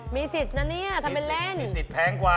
มีสิทธ์มีสิทธ์แพงกว่า